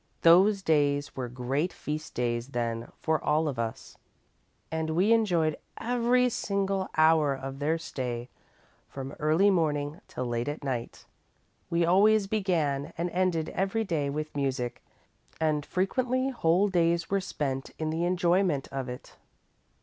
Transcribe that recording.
Those days were great feast days then for all of us, and we enjoyed every single hour of their stay from early morning till late at night. We always began and ended every day with music, and frequently whole days were spent in the enjoyment of it.